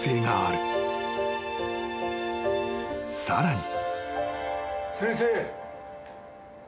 ［さらに］